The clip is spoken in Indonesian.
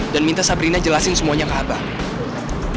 dan minta sabrina jelasin semuanya ke abang